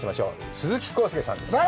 鈴木浩介さんです。